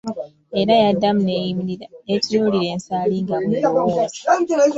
Era yaddamu n'eyimirira, n'etunulira ensaali nga bw'elowooza .